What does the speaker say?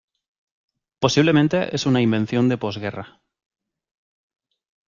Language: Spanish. Posiblemente es una invención de posguerra.